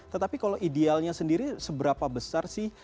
tetapi kalau idealnya sendiri seberapa besar sih